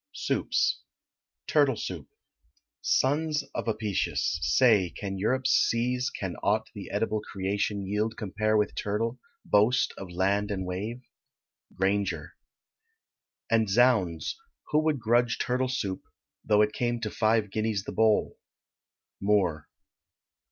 SOUPS. TURTLE SOUP. Sons of Apicius! say, can Europe's seas, Can aught the edible creation yield Compare with turtle, boast of land and wave? GRAINGER. And, zounds! who would grudge Turtle soup, though it came to five guineas the bowl? MOORE.